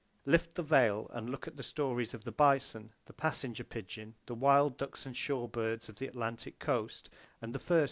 Lift the veil and look at the stories of the bison, the passenger pigeon, the wild ducks and shore birds of the Atlantic coast, and the fur seal.